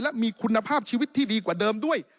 และมีคุณภาพชีวิตที่ดีกว่าเดิมด้วย